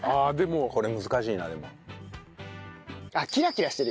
これ難しいなでも。